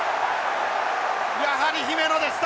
やはり姫野でした！